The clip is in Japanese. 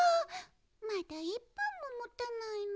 まだ１ぷんももたないの。